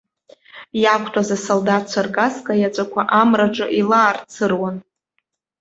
Иақәтәаз асолдаҭцәа ркаска иаҵәақәа амраҿы еилаарцыруан.